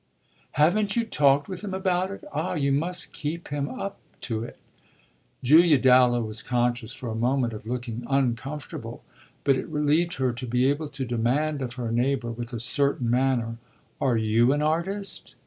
"Haven't you talked with him about it? Ah you must keep him up to it!" Julia Dallow was conscious for a moment of looking uncomfortable; but it relieved her to be able to demand of her neighbour with a certain manner: "Are you an artist?"